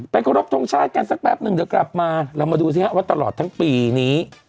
ขอรบทรงชาติกันสักแป๊บนึงเดี๋ยวกลับมาเรามาดูสิฮะว่าตลอดทั้งปีนี้